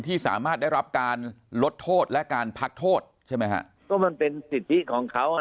ที่สามารถได้รับการลดโทษและการพักโทษใช่ไหมฮะก็มันเป็นสิทธิของเขาอ่ะ